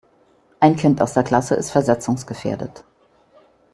Ein Kind aus der Klasse ist versetzungsgefährdet.